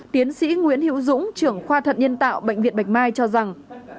tiến sĩ nguyễn hiễu dũng trưởng khoa thận nhân tạo bệnh viện bạch mai cho rằng